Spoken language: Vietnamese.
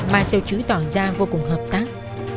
marcel chứ tỏ ra vô cùng hợp tác